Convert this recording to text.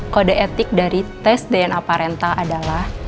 kode etik dari tes dna parenta adalah